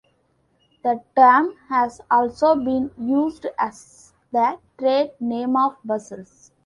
The term has also been used as the trade name of puzzles.